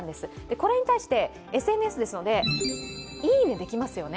これに対して、ＳＮＳですので「いいね」できますよね。